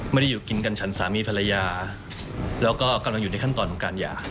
อยู่กินกันฉันสามีภรรยาแล้วก็กำลังอยู่ในขั้นตอนของการหย่า